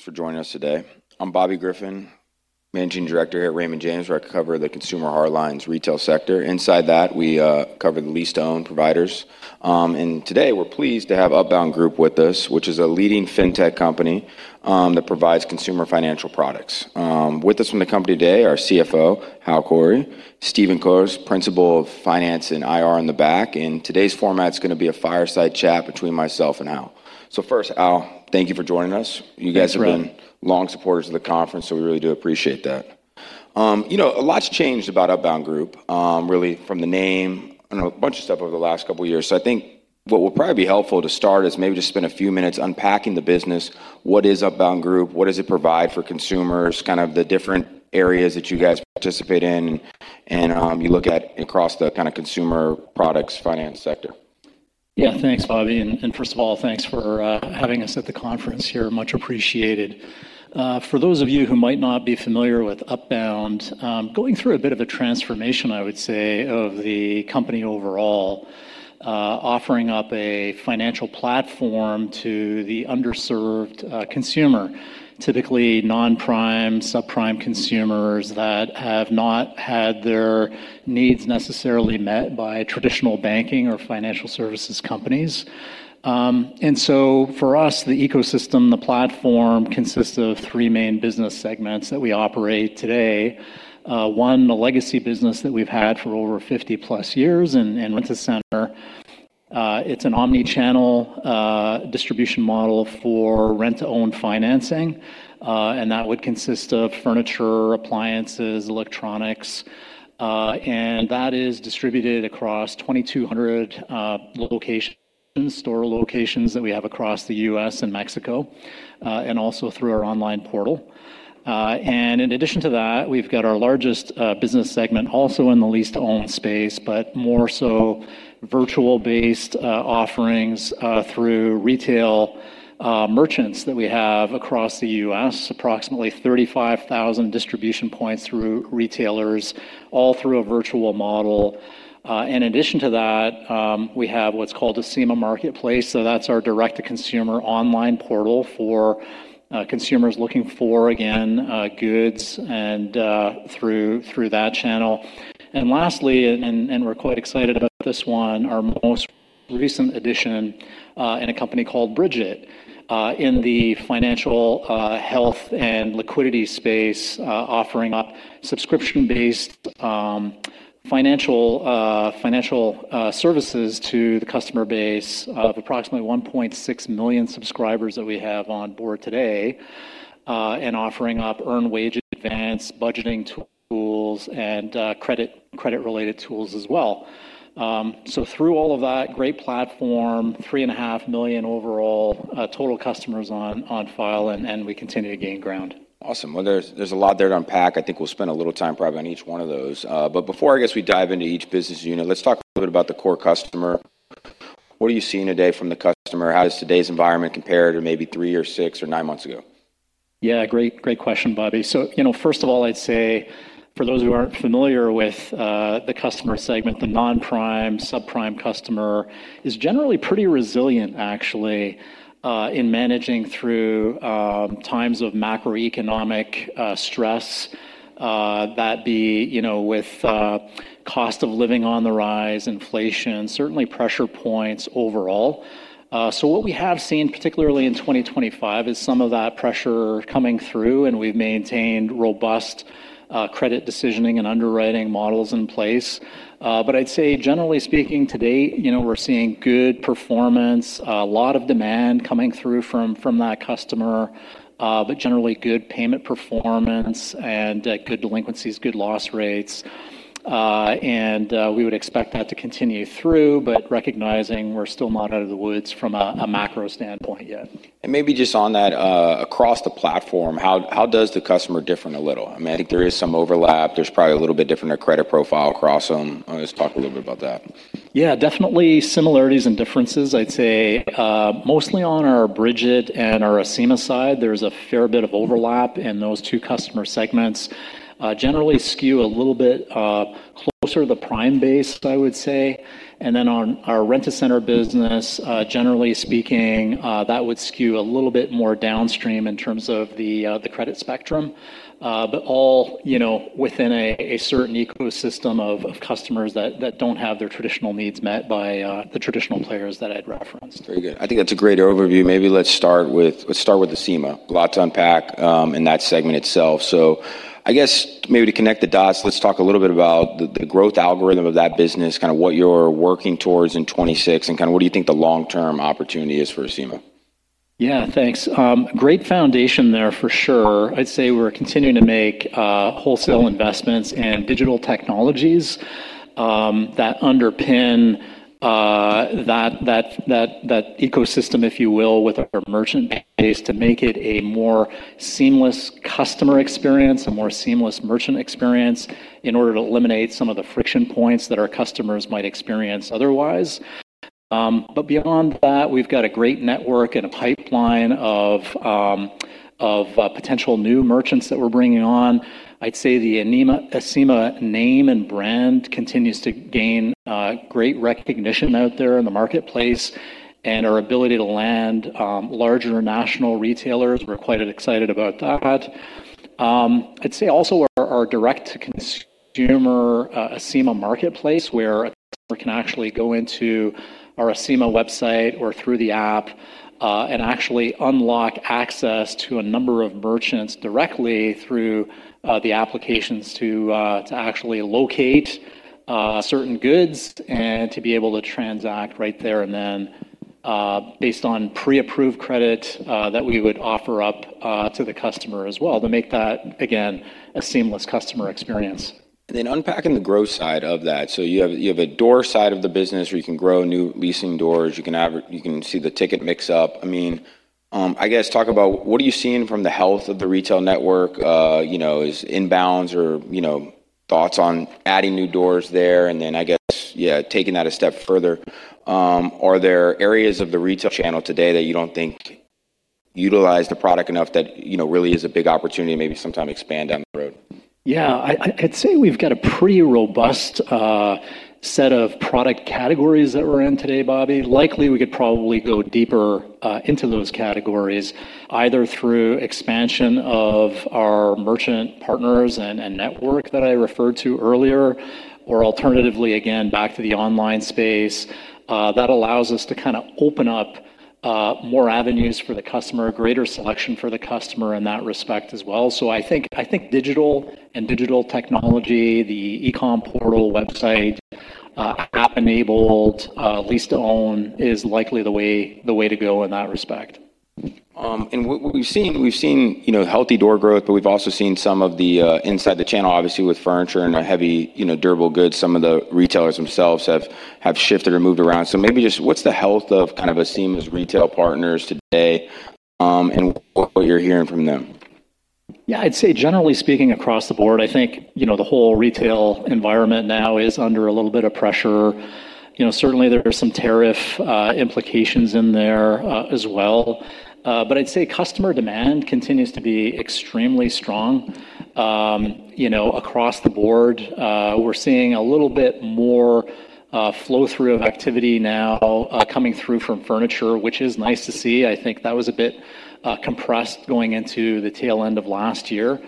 Thanks for joining us today. I'm Bobby Griffin, Managing Director here at Raymond James, where I cover the consumer hard lines retail sector. Inside that, we cover the lease-to-own providers. Today we're pleased to have Upbound Group with us, which is a leading fintech company that provides consumer financial products. With us from the company today are CFO Fahmi Karam, Stephen Kohrs, Principal of Finance and IR in the back. Today's format's gonna be a fireside chat between myself and Hal. First, Hal, thank you for joining us. Thanks for having me. You guys have been long supporters of the conference. We really do appreciate that. You know, a lot's changed about Upbound Group, really from the name and a bunch of stuff over the last couple of years. I think what will probably be helpful to start is maybe just spend a few minutes unpacking the business. What is Upbound Group? What does it provide for consumers? Kind of the different areas that you guys participate in and, you look at across the kinda consumer products finance sector? Yeah. Thanks, Bobby. First of all, thanks for having us at the conference here. Much appreciated. For those of you who might not be familiar with Upbound, going through a bit of a transformation, I would say, of the company overall, offering up a financial platform to the underserved consumer. Typically non-prime, subprime consumers that have not had their needs necessarily met by traditional banking or financial services companies. For us, the ecosystem, the platform consists of three main business segments that we operate today. One, the legacy business that we've had for over 50-plus years in Rent-A-Center. It's an omni-channel distribution model for rent-to-own financing, and that would consist of furniture, appliances, electronics, and that is distributed across 2,200 locations, store locations that we have across the US and Mexico, and also through our online portal. In addition to that, we've got our largest business segment also in the lease-to-own space, but more so virtual-based offerings through retail merchants that we have across the US. Approximately 35,000 distribution points through retailers, all through a virtual model. In addition to that, we have what's called the Acima Marketplace. That's our direct-to-consumer online portal for consumers looking for, again, goods and through that channel. Lastly, and we're quite excited about this one, our most recent addition, in a company called Brigit, in the financial health and liquidity space, offering up subscription-based financial services to the customer base of approximately 1.6 million subscribers that we have on board today. Offering up earned wage advance, budgeting tools, and credit-related tools as well. Through all of that, great platform, 3.5 million overall, total customers on file, and we continue to gain ground. Awesome. Well, there's a lot there to unpack. I think we'll spend a little time probably on each one of those. Before I guess we dive into each business unit, let's talk a little bit about the core customer. What are you seeing today from the customer? How does today's environment compare to maybe three or six or nine months ago? Great, great question, Bobby. First of all, I'd say for those who aren't familiar with the customer segment, the non-prime, subprime customer is generally pretty resilient actually, in managing through times of macroeconomic stress, that be, you know, with cost of living on the rise, inflation, certainly pressure points overall. What we have seen, particularly in 2025, is some of that pressure coming through, and we've maintained robust credit decisioning and underwriting models in place. I'd say generally speaking today, you know, we're seeing good performance, a lot of demand coming through from that customer, generally good payment performance and good delinquencies, good loss rates. We would expect that to continue through, recognizing we're still not out of the woods from a macro standpoint yet. maybe just on that, across the platform, how does the customer differ a little? I mean, I think there is some overlap. There's probably a little bit different a credit profile across them. Just talk a little bit about that. Yeah, definitely similarities and differences. I'd say, mostly on our Brigit and our Acima side, there's a fair bit of overlap. Those two customer segments generally skew a little bit closer to the prime base, I would say. On our Rent-A-Center business, generally speaking, that would skew a little bit more downstream in terms of the credit spectrum. All, you know, within a certain ecosystem of customers that don't have their traditional needs met by the traditional players that I'd referenced. Very good. I think that's a great overview. Maybe let's start with Acima. A lot to unpack in that segment itself. I guess maybe to connect the dots, let's talk a little bit about the growth algorithm of that business, kinda what you're working towards in 2026, and kinda what do you think the long-term opportunity is for Acima? Yeah, thanks. Great foundation there for sure. I'd say we're continuing to make wholesale investments in digital technologies that underpin that ecosystem, if you will, with our merchant base to make it a more seamless customer experience, a more seamless merchant experience in order to eliminate some of the friction points that our customers might experience otherwise. Beyond that, we've got a great network and a pipeline of potential new merchants that we're bringing on. I'd say the Acima name and brand continues to gain great recognition out there in the marketplace. Our ability to land larger national retailers, we're quite excited about that. I'd say also our direct-to-consumer, Acima Marketplace, where a customer can actually go into our Acima website or through the app, and actually unlock access to a number of merchants directly through the applications to actually locate certain goods and to be able to transact right there and then, based on pre-approved credit, that we would offer up to the customer as well to make that, again, a seamless customer experience. Unpacking the growth side of that. You have, you have a door side of the business where you can grow new leasing doors. You can see the ticket mix up. I mean, I guess talk about what are you seeing from the health of the retail network? You know, is inbounds or, you know, thoughts on adding new doors there? I guess, yeah, taking that a step further, are there areas of the retail channel today that you don't think utilize the product enough that, you know, really is a big opportunity maybe sometime expand down the road? Yeah. I'd say we've got a pretty robust set of product categories that we're in today, Bobby. Likely, we could probably go deeper into those categories, either through expansion of our merchant partners and network that I referred to earlier, or alternatively, again, back to the online space. That allows us to kind of open up more avenues for the customer, greater selection for the customer in that respect as well. I think digital and digital technology, the e-com portal website, app-enabled lease-to-own is likely the way to go in that respect. What we've seen, you know, healthy door growth, but we've also seen some of the inside the channel, obviously with furniture and the heavy, you know, durable goods, some of the retailers themselves have shifted or moved around. Maybe just what's the health of kind of Acima's retail partners today, and what you're hearing from them? Yeah. I'd say generally speaking across the board, you know, the whole retail environment now is under a little bit of pressure. You know, certainly there are some tariff implications in there as well. I'd say customer demand continues to be extremely strong. You know, across the board, we're seeing a little bit more flow-through of activity now coming through from furniture, which is nice to see. I think that was a bit compressed going into the tail end of last year.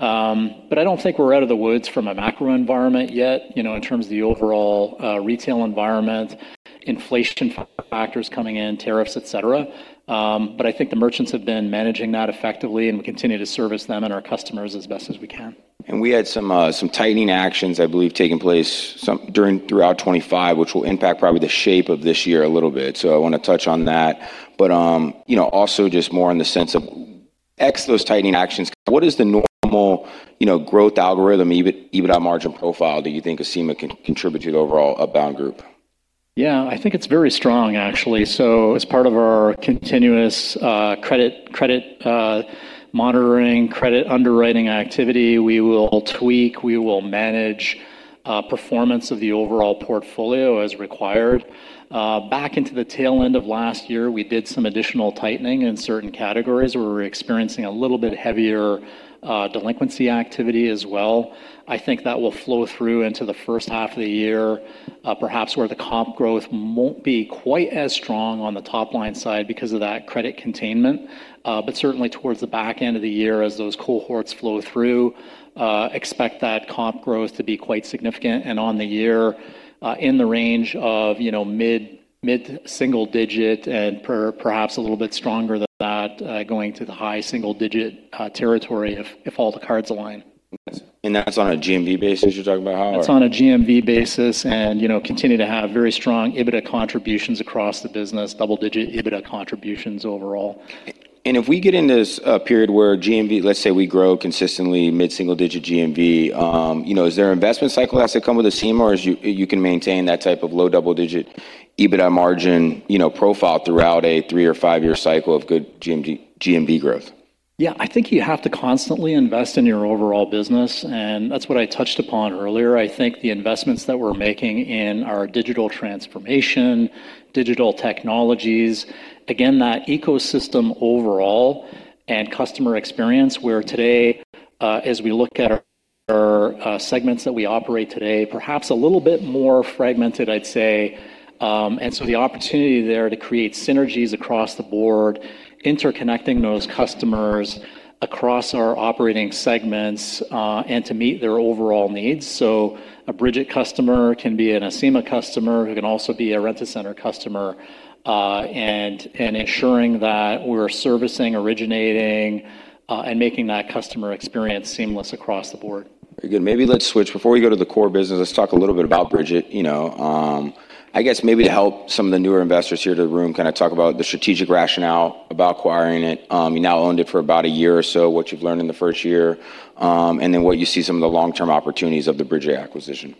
I don't think we're out of the woods from a macro environment yet, you know, in terms of the overall retail environment, inflation factors coming in, tariffs, et cetera. I think the merchants have been managing that effectively, and we continue to service them and our customers as best as we can. We had some tightening actions, I believe, taking place throughout 25, which will impact probably the shape of this year a little bit. I wanna touch on that. you know, also just more in the sense of ex those tightening actions, what is the normal, you know, growth algorithm, EBITDA margin profile that you think Acima can contribute to the overall Upbound Group? Yeah. I think it's very strong, actually. As part of our continuous credit monitoring, credit underwriting activity, we will tweak, we will manage performance of the overall portfolio as required. Back into the tail end of last year, we did some additional tightening in certain categories. We were experiencing a little bit heavier delinquency activity as well. I think that will flow through into the first half of the year, perhaps where the comp growth won't be quite as strong on the top-line side because of that credit containment. Certainly towards the back end of the year as those cohorts flow through, expect that comp growth to be quite significant and on the year, in the range of, you know, mid-single digit and perhaps a little bit stronger than that, going to the high single digit, territory if all the cards align. That's on a GMV basis you're talking about how or? That's on a GMV basis and, you know, continue to have very strong EBITDA contributions across the business, double-digit EBITDA contributions overall. If we get into this period where let's say we grow consistently mid-single-digit GMV, you know, is there investment cycle has to come with Acima or you can maintain that type of low double-digit EBITDA margin, you know, profile throughout a three or five-year cycle of good GMV growth? Yeah. I think you have to constantly invest in your overall business, and that's what I touched upon earlier. I think the investments that we're making in our digital transformation, digital technologies, again, that ecosystem overall and customer experience, where today, as we look at our segments that we operate today, perhaps a little bit more fragmented, I'd say. The opportunity there to create synergies across the board, interconnecting those customers across our operating segments, and to meet their overall needs. A Brigit customer can be an Acima customer who can also be a Rent-A-Center customer, and ensuring that we're servicing, originating, and making that customer experience seamless across the board. Very good. Maybe let's switch. Before we go to the core business, let's talk a little bit about Brigit. You know, I guess maybe to help some of the newer investors here in the room kind of talk about the strategic rationale about acquiring it. You now owned it for about a year or so, what you've learned in the first year, and then what you see some of the long-term opportunities of the Brigit acquisition.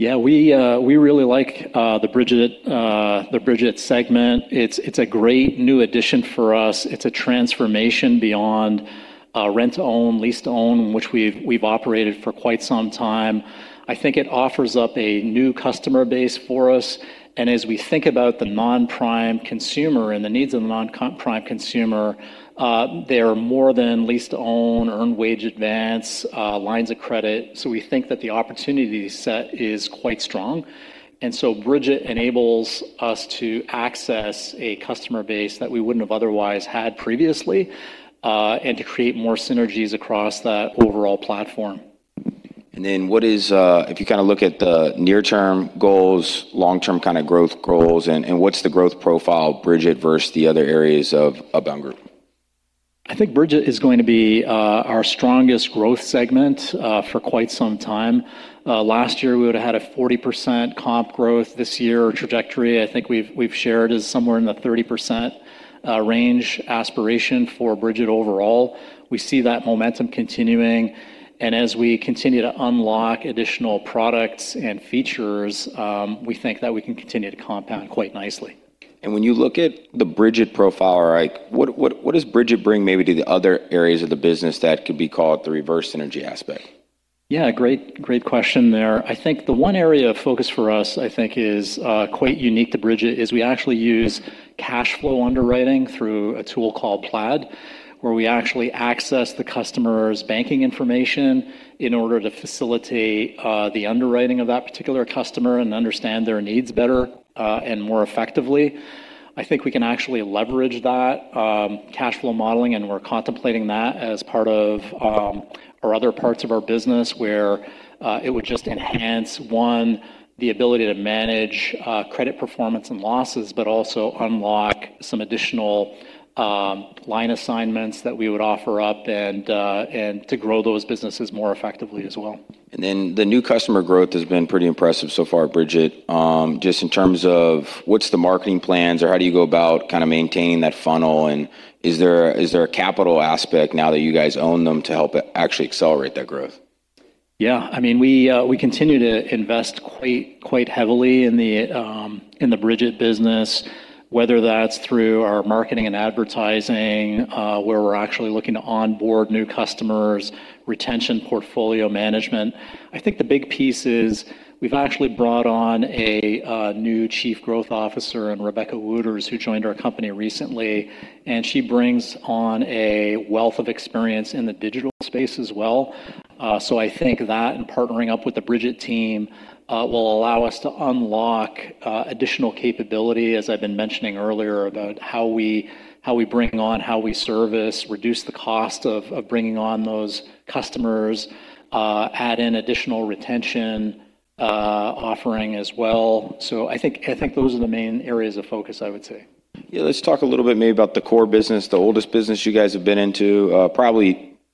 We really like the Brigit segment. It's a great new addition for us. It's a transformation beyond rent-to-own, lease-to-own, which we've operated for quite some time. I think it offers up a new customer base for us. As we think about the non-prime consumer and the needs of the non-prime consumer, they are more than lease-to-own or earned wage advance lines of credit. We think that the opportunity set is quite strong. Brigit enables us to access a customer base that we wouldn't have otherwise had previously and to create more synergies across that overall platform. What is, if you kind of look at the near-term goals, long-term kind of growth goals and what's the growth profile of Brigit versus the other areas of Upbound Group? I think Brigit is going to be our strongest growth segment for quite some time. Last year, we would've had a 40% comp growth. This year, our trajectory, I think we've shared, is somewhere in the 30% range aspiration for Brigit overall. We see that momentum continuing, and as we continue to unlock additional products and features, we think that we can continue to compound quite nicely. When you look at the Brigit profile, like what does Brigit bring maybe to the other areas of the business that could be called the reverse synergy aspect? Yeah. Great, great question there. I think the one area of focus for us, I think is quite unique to Brigit is we actually use cash flow underwriting through a tool called Plaid, where we actually access the customer's banking information in order to facilitate the underwriting of that particular customer and understand their needs better and more effectively. I think we can actually leverage that cash flow modeling, and we're contemplating that as part of our other parts of our business where it would just enhance, one, the ability to manage credit performance and losses but also unlock some additional line assignments that we would offer up and to grow those businesses more effectively as well. The new customer growth has been pretty impressive so far at Brigit. Just in terms of what's the marketing plans or how do you go about kind of maintaining that funnel, and is there a, is there a capital aspect now that you guys own them to help actually accelerate that growth? Yeah. I mean, we continue to invest quite heavily in the Brigit business, whether that's through our marketing and advertising, where we're actually looking to onboard new customers, retention portfolio management. I think the big piece is we've actually brought on a new chief growth officer in Rebecca Wooters, who joined our company recently, and she brings on a wealth of experience in the digital space as well. I think that and partnering up with the Brigit team will allow us to unlock additional capability, as I've been mentioning earlier, about how we bring on, how we service, reduce the cost of bringing on those customers, add in additional retention offering as well. I think those are the main areas of focus, I would say. Yeah. Let's talk a little bit maybe about the core business, the oldest business you guys have been into.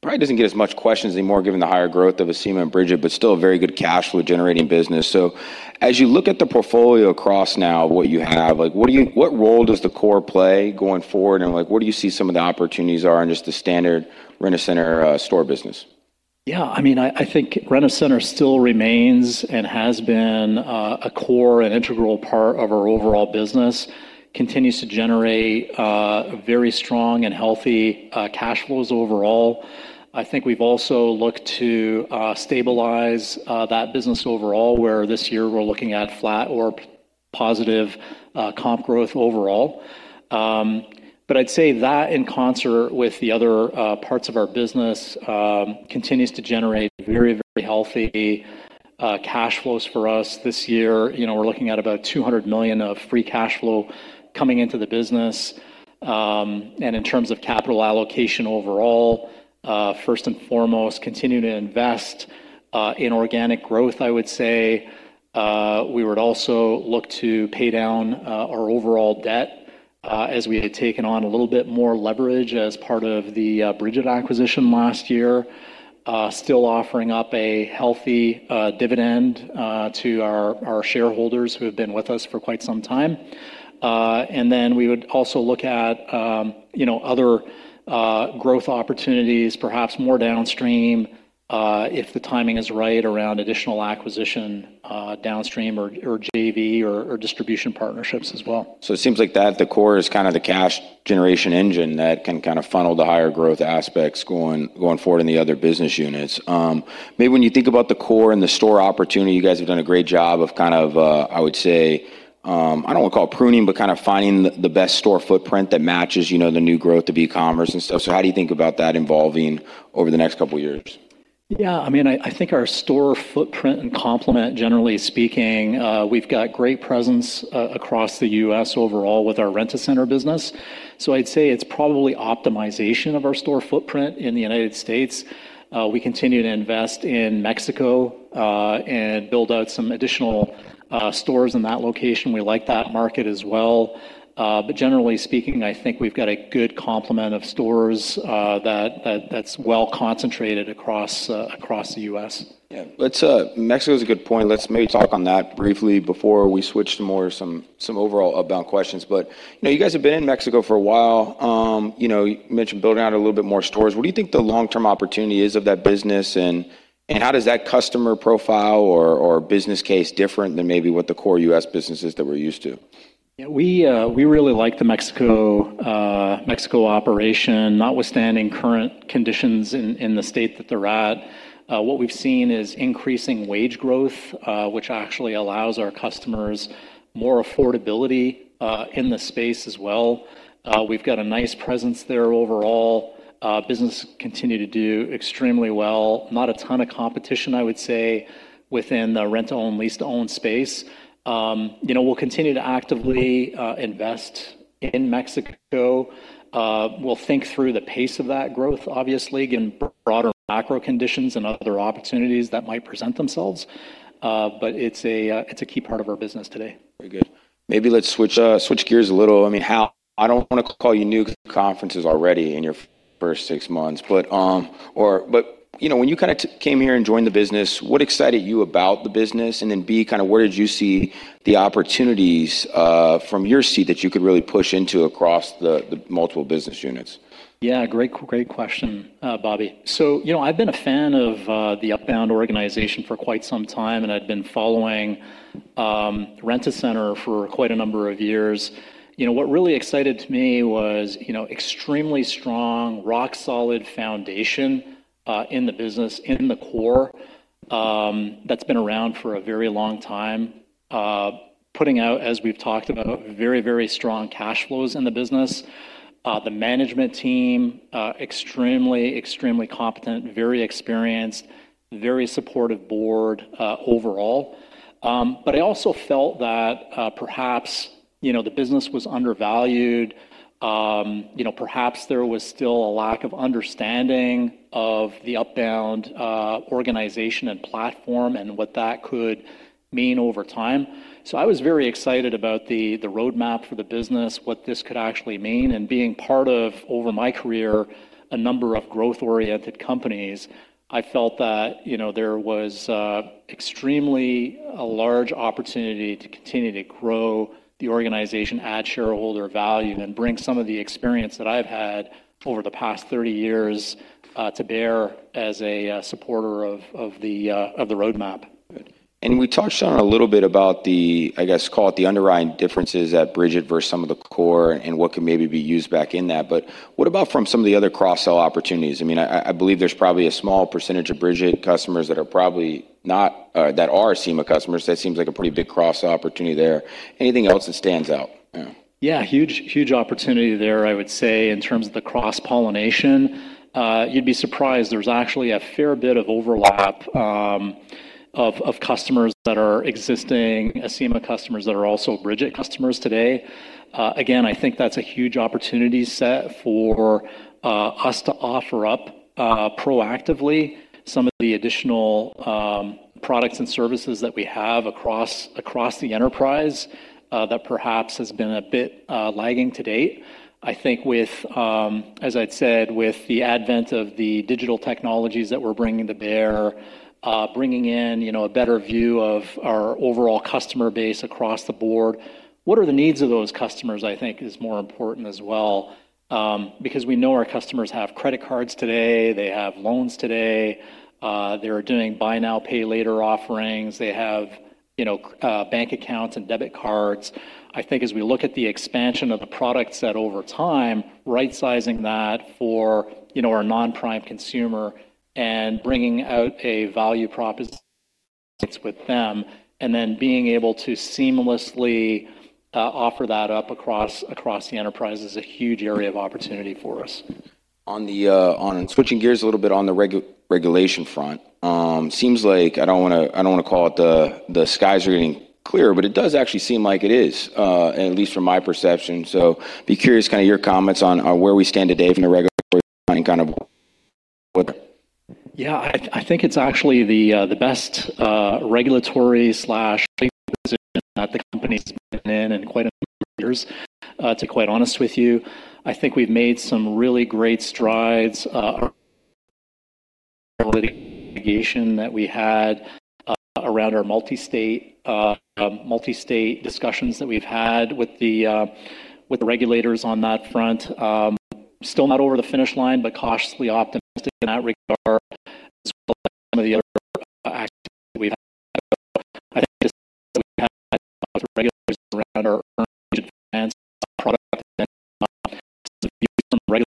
Probably doesn't get as much questions anymore given the higher growth of Acima and Brigit, but still a very good cash flow-generating business. As you look at the portfolio across now what you have, like what role does the core play going forward, and like what do you see some of the opportunities are in just the standard Rent-A-Center store business? Yeah. I mean, I think Rent-A-Center still remains and has been a core and integral part of our overall business. Continues to generate very strong and healthy cash flows overall. I think we've also looked to stabilize that business overall, where this year we're looking at flat or positive comp growth overall. I'd say that in concert with the other parts of our business, continues to generate very, very healthy cash flows for us this year. You know, we're looking at about $200 million of free cash flow coming into the business. In terms of capital allocation overall, first and foremost, continue to invest in organic growth, I would say. We would also look to pay down our overall debt as we had taken on a little bit more leverage as part of the Brigit acquisition last year. Still offering up a healthy dividend to our shareholders who have been with us for quite some time. We would also look at, you know, other growth opportunities, perhaps more downstream, if the timing is right around additional acquisition, downstream or JV or distribution partnerships as well. It seems like that, the core is kind of the cash generation engine that can kind of funnel the higher growth aspects going forward in the other business units. Maybe when you think about the core and the store opportunity, you guys have done a great job of kind of, I would say, I don't wanna call it pruning, but kind of finding the best store footprint that matches, you know, the new growth of e-commerce and stuff. How do you think about that involving over the next couple years? I mean, I think our store footprint and complement, generally speaking, we've got great presence across the U.S. overall with our Rent-A-Center business. I'd say it's probably optimization of our store footprint in the United States. We continue to invest in Mexico and build out some additional stores in that location. We like that market as well. But generally speaking, I think we've got a good complement of stores that's well concentrated across the U.S. Yeah. Let's Mexico is a good point. Let's maybe talk on that briefly before we switch to more some overall Upbound questions. You know, you guys have been in Mexico for a while. You know, you mentioned building out a little bit more stores. What do you think the long-term opportunity is of that business, and how does that customer profile or business case different than maybe what the core U.S. business is that we're used to? Yeah. We really like the Mexico Mexico operation, notwithstanding current conditions in the state that they're at. What we've seen is increasing wage growth, which actually allows our customers more affordability in the space as well. We've got a nice presence there overall. Business continue to do extremely well. Not a ton of competition, I would say, within the rent-to-own, lease-to-own space. You know, we'll continue to actively invest in Mexico. We'll think through the pace of that growth, obviously, given broader macro conditions and other opportunities that might present themselves. It's a key part of our business today. Very good. Maybe let's switch gears a little. I mean, how... I don't wanna call you new to conferences already in your First six months. you know, when you kinda came here and joined the business, what excited you about the business? B, kinda where did you see the opportunities from your seat that you could really push into across the multiple business units? Yeah, great question, Bobby. You know, I've been a fan of the Upbound Group organization for quite some time, and I'd been following Rent-A-Center for quite a number of years. You know, what really excited to me was, you know, extremely strong, rock-solid foundation in the business in the core that's been around for a very long time. Putting out, as we've talked about, very, very strong cash flows in the business. The management team, extremely competent, very experienced, very supportive board overall. I also felt that perhaps, you know, the business was undervalued. You know, perhaps there was still a lack of understanding of the Upbound Group organization and platform and what that could mean over time. I was very excited about the roadmap for the business, what this could actually mean. Being part of, over my career, a number of growth-oriented companies, I felt that, you know, there was extremely a large opportunity to continue to grow the organization, add shareholder value, and bring some of the experience that I've had over the past three years to bear as a supporter of the roadmap. We touched on a little bit about the, I guess, call it the underwriting differences at Brigit versus some of the core and what could maybe be used back in that. What about from some of the other cross-sell opportunities? I mean, I believe there's probably a small % of Brigit customers that are Acima customers. That seems like a pretty big cross-sell opportunity there. Anything else that stands out? Yeah. Yeah, huge, huge opportunity there, I would say, in terms of the cross-pollination. You'd be surprised, there's actually a fair bit of overlap, of customers that are existing Acima customers that are also Brigit customers today. Again, I think that's a huge opportunity set for us to offer up proactively some of the additional products and services that we have across the enterprise that perhaps has been a bit lagging to date. I think with, as I'd said, with the advent of the digital technologies that we're bringing to bear, bringing in, you know, a better view of our overall customer base across the board. What are the needs of those customers, I think, is more important as well. Because we know our customers have credit cards today, they have loans today, they're doing buy now, pay later offerings. They have, you know, bank accounts and debit cards. I think as we look at the expansion of the product set over time, right-sizing that for, you know, our non-prime consumer and bringing out a value proposition with them, and then being able to seamlessly offer that up across the enterprise is a huge area of opportunity for us. Switching gears a little bit on the regulation front. Seems like, I don't wanna call it the sky's getting clear, but it does actually seem like it is, at least from my perception. Be curious kinda your comments on where we stand today from the regulatory front and kind of what? Yeah. I think it's actually the best regulatory slash position that the company's been in in quite a few years to quite honest with you. I think we've made some really great strides around the litigation that we had around our multi-state discussions that we've had with the regulators on that front. Still not over the finish line, but cautiously optimistic in that regard as well as some of the other actions that we've had. I think the conversations that we've had with regulators around our earnings advance product have been very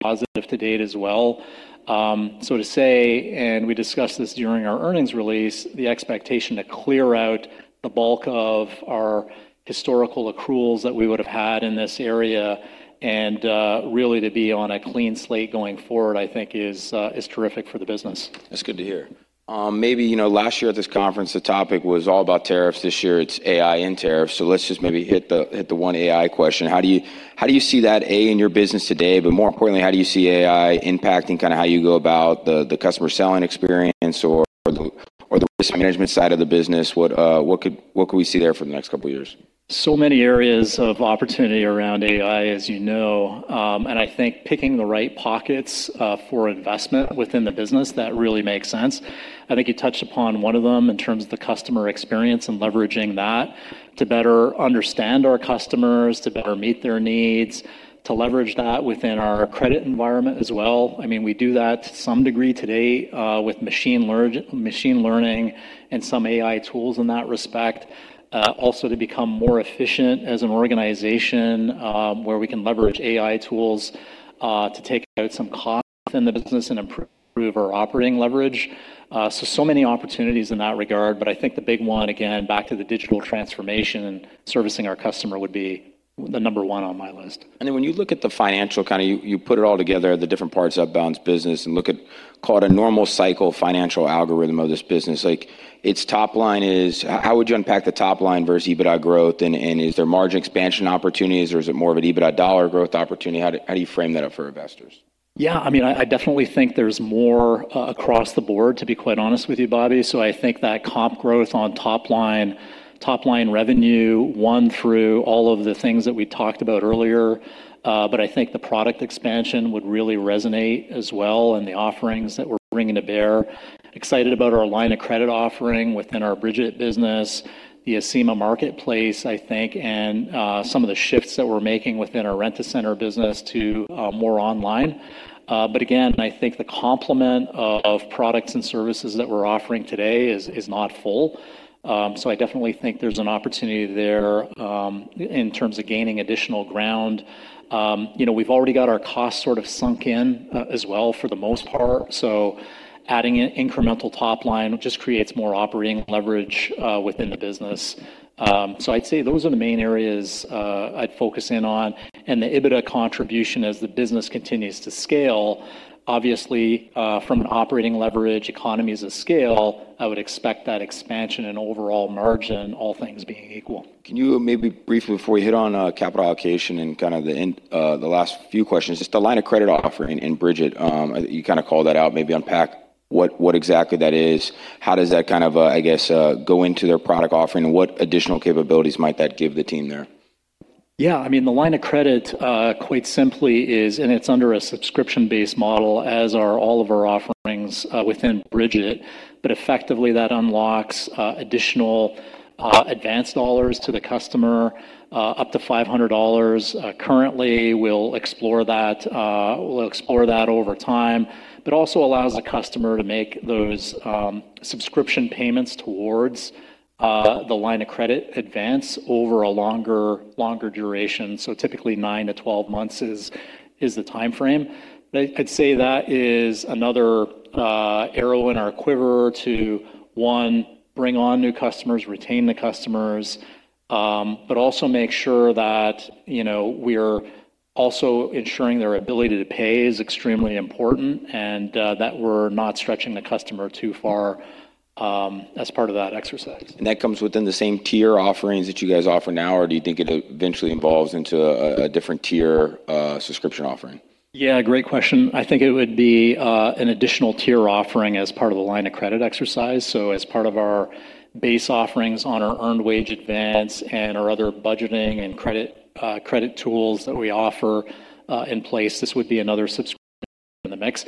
positive to date as well. To say, and we discussed this during our earnings release, the expectation to clear out the bulk of our historical accruals that we would have had in this area and really to be on a clean slate going forward, I think is terrific for the business. That's good to hear. Maybe, you know, last year at this conference, the topic was all about tariffs. This year it's AI and tariffs. Let's just maybe hit the one AI question. How do you, how do you see that, A, in your business today? More importantly, how do you see AI impacting kinda how you go about the customer selling experience or the, or the risk management side of the business? What could we see there for the next couple of years? So many areas of opportunity around AI, as you know. I think picking the right pockets for investment within the business, that really makes sense. I think you touched upon one of them in terms of the customer experience and leveraging that to better understand our customers, to better meet their needs, to leverage that within our credit environment as well. I mean, we do that to some degree today with machine learning and some AI tools in that respect. Also to become more efficient as an organization, where we can leverage AI tools to take out some cost in the business and improve our operating leverage. So many opportunities in that regard, but I think the big one, again, back to the digital transformation and servicing our customer would be the number one on my list. When you look at the financial, kinda you put it all together, the different parts of Upbound's business and look at, call it a normal cycle financial algorithm of this business. Like its top line is, how would you unpack the top line versus EBITDA growth? Is there margin expansion opportunities or is it more of an EBITDA dollar growth opportunity? How do you frame that up for investors? Yeah, I mean, I definitely think there's more across the board, to be quite honest with you, Bobby. I think that comp growth on top line, top line revenue won through all of the things that we talked about earlier. I think the product expansion would really resonate as well and the offerings that we're bringing to bear. Excited about our line of credit offering within our Brigit business, the Acima Marketplace, I think, and some of the shifts that we're making within our Rent-A-Center business to more online. Again, I think the complement of products and services that we're offering today is not full. I definitely think there's an opportunity there in terms of gaining additional ground. you know, we've already got our costs sort of sunk in, as well for the most part. Adding in incremental top line just creates more operating leverage within the business. I'd say those are the main areas I'd focus in on and the EBITDA contribution as the business continues to scale. Obviously, from an operating leverage economies of scale, I would expect that expansion and overall margin, all things being equal. Can you maybe briefly before we hit on, capital allocation and kind of the end, the last few questions, just the line of credit offering in Brigit? You kinda call that out, maybe unpack what exactly that is. How does that kind of, I guess, go into their product offering? What additional capabilities might that give the team there? Yeah. I mean, the line of credit, quite simply is... It's under a subscription-based model, as are all of our offerings within Brigit. Effectively, that unlocks additional advanced dollars to the customer, up to $500. Currently, we'll explore that. We'll explore that over time. Also allows the customer to make those subscription payments towards the line of credit advance over a longer duration. Typically, 9 to 12 months is the timeframe. I'd say that is another arrow in our quiver to, one, bring on new customers, retain the customers, but also make sure that, you know, we're also ensuring their ability to pay is extremely important and that we're not stretching the customer too far as part of that exercise. That comes within the same tier offerings that you guys offer now, or do you think it eventually evolves into a different tier, subscription offering? Yeah, great question. I think it would be an additional tier offering as part of the line of credit exercise. As part of our base offerings on our earned wage advance and our other budgeting and credit tools that we offer in place. This would be another subscription in the mix.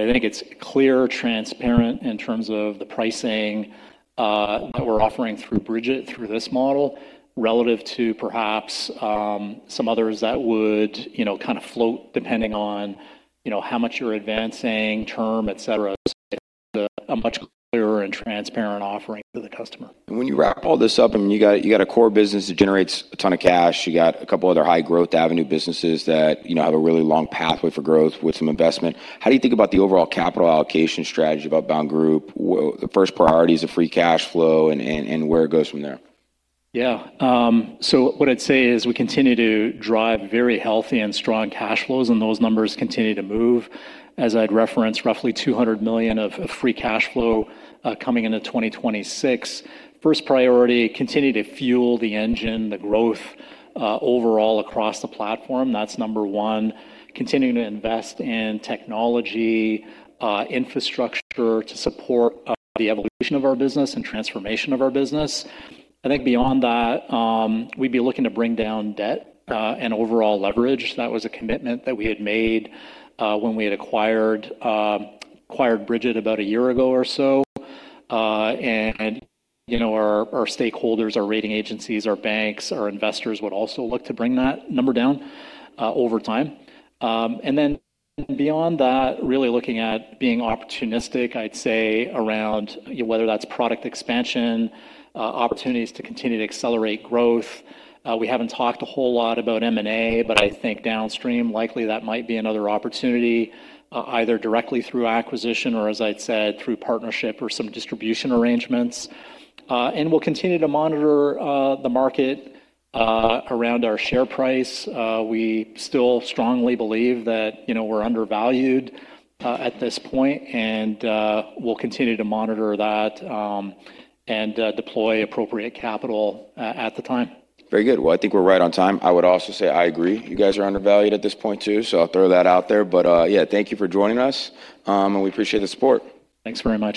I think it's clear, transparent in terms of the pricing that we're offering through Brigit, through this model, relative to perhaps some others that would, you know, kind of float depending on, you know, how much you're advancing, term, et cetera. I'd say this is a much clearer and transparent offering to the customer. When you wrap all this up, I mean, you got a core business that generates a ton of cash. You got a couple other high growth avenue businesses that, you know, have a really long pathway for growth with some investment. How do you think about the overall capital allocation strategy of Upbound Group? Well, the first priority is the free cash flow and where it goes from there. What I'd say is we continue to drive very healthy and strong cash flows, and those numbers continue to move. As I'd referenced, roughly $200 million of free cash flow coming into 2026. First priority, continue to fuel the engine, the growth overall across the platform. That's number one. Continuing to invest in technology, infrastructure to support the evolution of our business and transformation of our business. I think beyond that, we'd be looking to bring down debt and overall leverage. That was a commitment that we had made when we had acquired Brigit about a year ago or so. you know, our stakeholders, our rating agencies, our banks, our investors would also look to bring that number down over time. Then beyond that, really looking at being opportunistic, I'd say, around, you know, whether that's product expansion, opportunities to continue to accelerate growth. We haven't talked a whole lot about M&A, but I think downstream, likely that might be another opportunity, either directly through acquisition or, as I'd said, through partnership or some distribution arrangements. We'll continue to monitor the market around our share price. We still strongly believe that, you know, we're undervalued at this point, and we'll continue to monitor that and deploy appropriate capital at the time. Very good. Well, I think we're right on time. I would also say I agree. You guys are undervalued at this point too, so I'll throw that out there. Yeah, thank you for joining us, and we appreciate the support. Thanks very much.